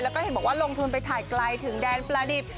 แล้วก็เห็นบอกว่าลงทุนไปถ่ายไกลถึงแดนประดิบ